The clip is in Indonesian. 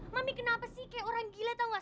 mami kenapa sih kayak orang gila tau gak